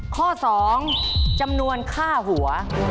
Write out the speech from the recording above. ข้อ๒จำนวนค่าหัว